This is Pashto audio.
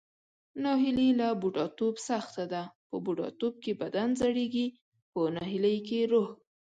ناهیلي له بوډاتوب سخته ده، په بوډاتوب کې بدن زړیږي پۀ ناهیلۍ کې روح.